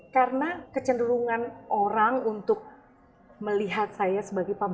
karena kecenderungan orang untuk melihat saya sebagai panggung